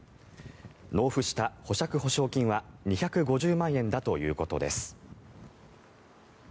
納付した保釈保証金は２５０万円だということです。